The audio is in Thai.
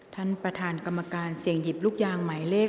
ท่านประธานกรรมการเสี่ยงหยิบลูกยางหมายเลข